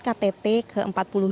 dan tidak lupaites